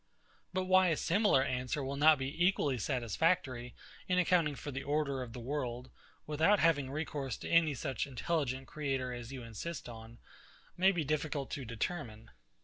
But why a similar answer will not be equally satisfactory in accounting for the order of the world, without having recourse to any such intelligent creator as you insist on, may be difficult to determine.